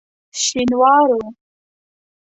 شینوارو.